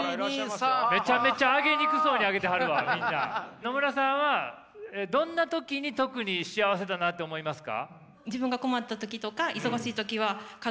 野村さんはどんな時に特に幸せだなって思いますか？